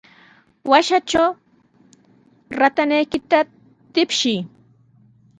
Washatraw ratayniykita tapsiy.